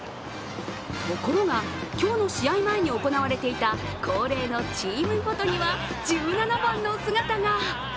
ところが、今日の試合前に行われていた恒例のチームフォトには１７番の姿が。